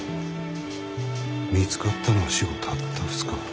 見つかったのは死後たった２日。